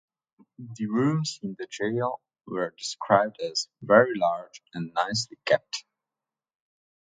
The rooms in the jail were described as "very large and nicely kept".